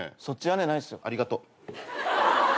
そっち屋根ないっすよ。ありがと。